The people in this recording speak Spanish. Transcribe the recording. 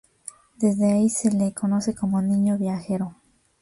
Desde ahí se lo conoce como Niño Viajero.